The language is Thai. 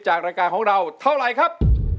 รายการของเราเท่าไหร่ครับ